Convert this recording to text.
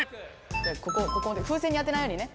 ここここまで風船に当てないようにね。